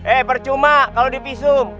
eh percuma kalau divisum